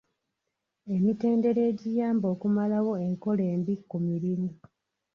Emitendera egiyamba okumalawo enkola embi ku mulimu.